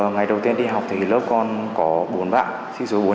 ngày đầu tiên đi học thì lớp con có bốn bạn